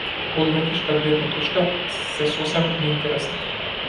Од уметничка гледна точка се сосем неинтересни.